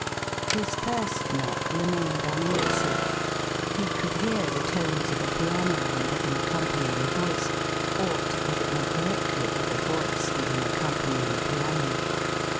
His first knock remained unanswered. He could hear the tones of a piano and of an accompanying voice, or, to put it more correctly, of a voice and an accompanying piano.